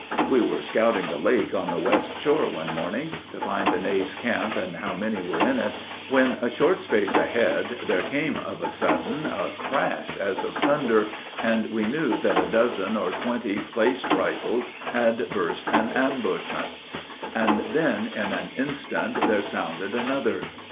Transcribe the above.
We were scouting the lake on the west shore one morning, To find the knaves' camp and how many were in it, When a short space ahead there came of a sudden A crash as of thunder, and we knew that a dozen Or twenty placed rifles had burst an ambushment. And then in an instant there sounded another.